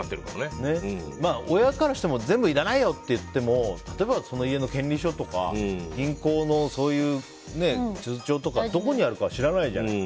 親からしても全部いらないよって言っても例えば、家の権利書とか銀行の通帳とか、どこにあるのか知らないじゃない。